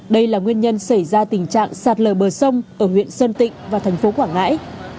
đây là nguyên nhân xảy ra tình trạng sạt lở bờ sông ở huyện sơn tịnh và thành phố quảng ngãi